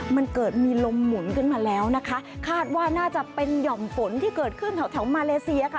มันเกิดมีลมหมุนขึ้นมาแล้วนะคะคาดว่าน่าจะเป็นห่อมฝนที่เกิดขึ้นแถวแถวมาเลเซียค่ะ